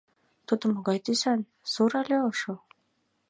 — Тудо могай тӱсан, сур але ошо?